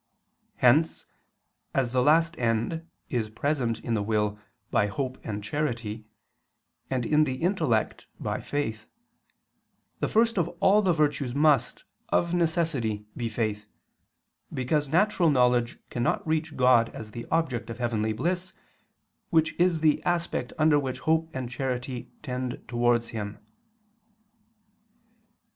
Hence, as the last end is present in the will by hope and charity, and in the intellect, by faith, the first of all the virtues must, of necessity, be faith, because natural knowledge cannot reach God as the object of heavenly bliss, which is the aspect under which hope and charity tend towards Him.